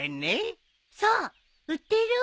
そう売ってる？